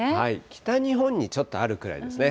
北日本にちょっとあるくらいですね。